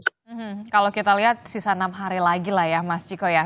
kalau kita lihat sisa enam hari lagi lah ya mas ciko ya